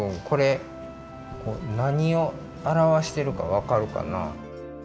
これなにをあらわしてるかわかるかな？